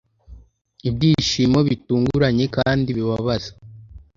Ibyishimo bitunguranye kandi bibabaza